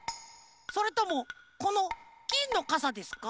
それともこのきんのかさですか？